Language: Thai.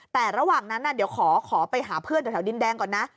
แต่ระหว่างนั้นเดี๋ยวขอไปหาเพื่อนแถวดินแดงก่อนนะ